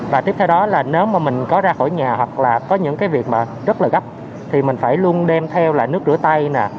và tiếp theo đó là nếu mà mình có ra khỏi nhà hoặc là có những cái việc mà rất là gấp thì mình phải luôn đem theo là nước rửa tay